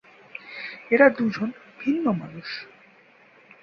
এরা দুজন ভিন্ন মানুষ।